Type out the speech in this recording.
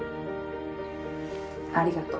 ありがと。